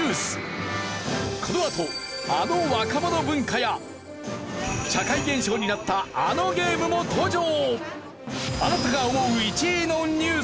このあとあの若者文化や社会現象になったあのゲームも登場！